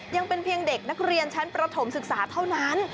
ยังเป็นเพียงเด็กนักเรียนชั้นประถมศึกษาเท่านั้น